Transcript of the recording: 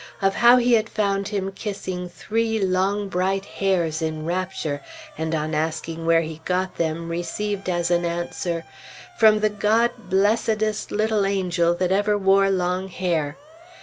Of how he had found him kissing three long bright hairs in rapture, and on asking where he got them, received as an answer "From the God blessedest little angel that ever wore long hair!"